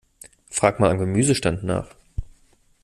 Frag mal am Gemüsestand nach.